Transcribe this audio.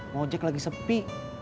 mau jack lagi sepi